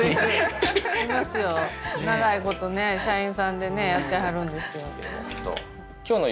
長いことね社員さんでねやってはるんですよ。